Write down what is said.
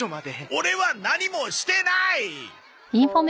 オレは何もしてなーい！